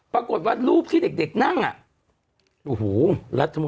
ปรากฏว่ารูปที่เด็กนั่งอ่ะโอ้โห